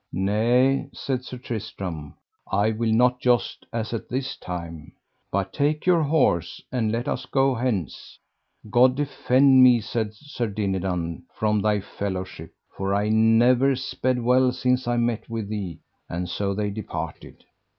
Nay, said Sir Tristram, I will not joust as at this time, but take your horse and let us go hence. God defend me, said Sir Dinadan, from thy fellowship, for I never sped well since I met with thee: and so they departed.